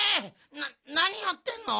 ななにやってんの？